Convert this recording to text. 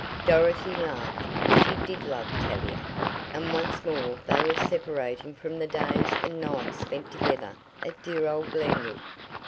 Dorothy laughed. She did love Tavia, and once more they were separating from the days and nights spent together at dear old Glenwood.